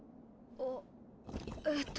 あええっと。